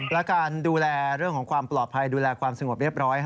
และการดูแลเรื่องของความปลอดภัยดูแลความสงบเรียบร้อย